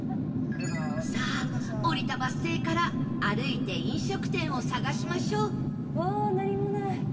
さあ降りたバス停から歩いて飲食店を探しましょう